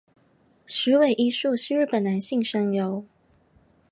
矢尾一树是日本男性声优。